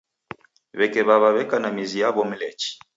W'eke w'aw'a w'eka na mizi yaw'o Mlechi.